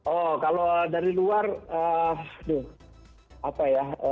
oh kalau dari luar apa ya